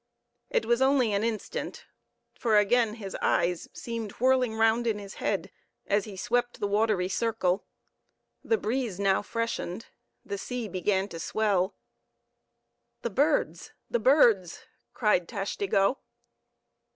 It was only an instant; for again his eyes seemed whirling round in his head as he swept the watery circle. The breeze now freshened. The sea began to swell. "The birds! the birds!" cried Tashtego.